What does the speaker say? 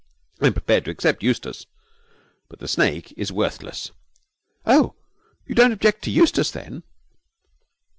I am prepared to accept Eustace, but the snake is worthless.' 'Oh, you don't object to Eustace, then?'